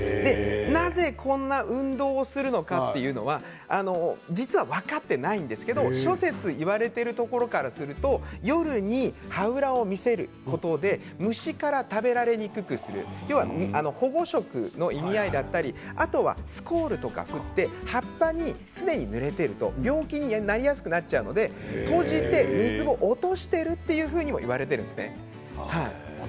なぜこんな運動するのかというのは実は分かっていないんですけど諸説いわれているところからすると夜に葉裏を見せることで虫から食べられにくくする保護色の意味合いだったりあとはスコールとか葉っぱが常にぬれていると病気になりやすくなっちゃうので閉じて水を落としているというふうにも言われています。